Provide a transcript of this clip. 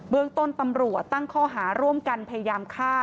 เมืองต้นตำรวจตั้งข้อหาร่วมกันพยายามฆ่า